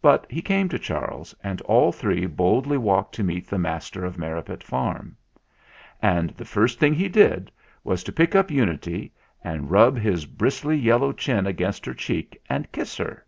But he came to Charles, and all three boldly walked to meet the master of Merripit Farm. And the first thing he did was to pick up 174 THE FLINT HEART Unity and rub his bristly yellow chin against her cheek and kiss her!